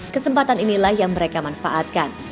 kesempatan inilah yang mereka manfaatkan